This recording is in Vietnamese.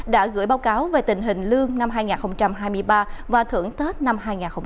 đã gửi báo cáo về tình hình lương năm hai nghìn hai mươi ba và thưởng tết năm hai nghìn hai mươi bốn